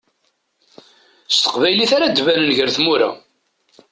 S teqbaylit ara d-banen gar tmura.